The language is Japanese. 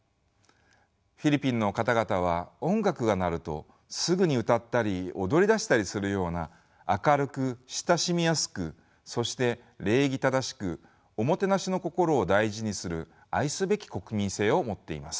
フィリピンの方々は音楽が鳴るとすぐに歌ったり踊りだしたりするような明るく親しみやすくそして礼儀正しくオモテナシの心を大事にする愛すべき国民性を持っています。